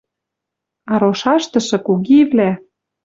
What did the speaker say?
А рошаштышы кугивлӓ